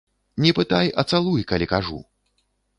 Не пытай, а цалуй, калі кажу!